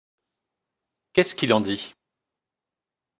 Qu’est-ce qu’il en dit ?